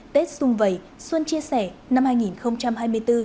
tết sung vầy xuân chia sẻ năm hai nghìn hai mươi bốn